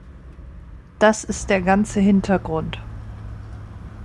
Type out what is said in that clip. Das ist der ganze Hintergrund.